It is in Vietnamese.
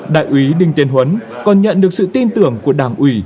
đại úy đinh tiên huấn còn nhận được sự tin tưởng của đảng ủy